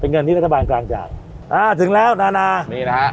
เงินที่รัฐบาลกลางจ่ายอ่าถึงแล้วนานานี่นะฮะ